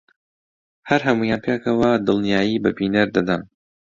هەر هەموویان پێکەوە دڵنیایی بە بینەر دەدەن